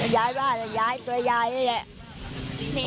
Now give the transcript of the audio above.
ย้ายบ้านแล้วย้ายตัวย้ายนั้นแหละไม่กล้าอยู่